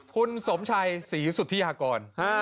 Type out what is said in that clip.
คุณสมชัยศรีสุธิฮากร